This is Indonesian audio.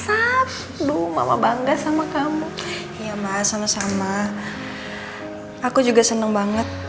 aku juga seneng banget